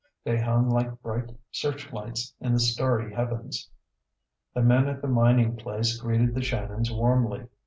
They hung like bright searchlights in the starry heavens. The men at the mining place greeted the Shannons warmly.